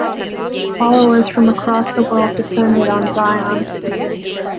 Followers from across the world descended on Zion.